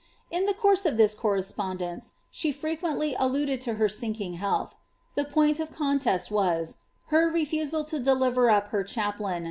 3 course of this correspondence she frequently alluded to her sink lealth. The point of contest was, her refusal to deliver up her ain.